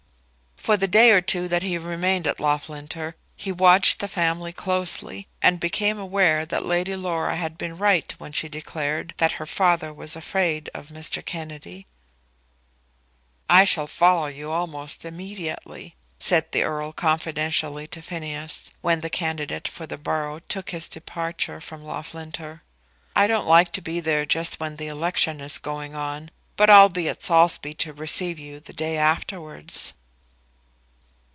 For the day or two that he remained at Loughlinter, he watched the family closely, and became aware that Lady Laura had been right when she declared that her father was afraid of Mr. Kennedy. "I shall follow you almost immediately," said the Earl confidentially to Phineas, when the candidate for the borough took his departure from Loughlinter. "I don't like to be there just when the election is going on, but I'll be at Saulsby to receive you the day afterwards."